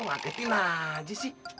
lo ngagetin aja sih